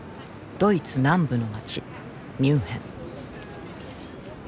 ドイツ南部の街ミュンヘン。